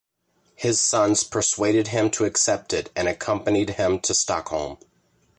His sons persuaded him to accept it and accompanied him to Stockholm.